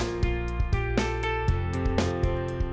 aduh aduh aduh aduh